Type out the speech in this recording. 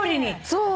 そう！